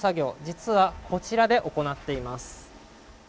実はこちらで行っています